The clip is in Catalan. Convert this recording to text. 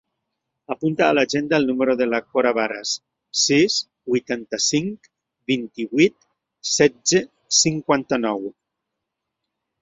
Apunta a l'agenda el número de la Cora Varas: sis, vuitanta-cinc, vint-i-vuit, setze, cinquanta-nou.